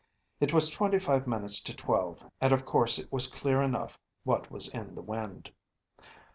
’ It was twenty five minutes to twelve, and of course it was clear enough what was in the wind.